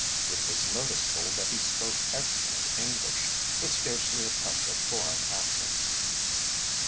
It was noticeable that he spoke excellent English, with scarcely a touch of foreign accent.